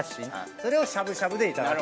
それをしゃぶしゃぶでいただく。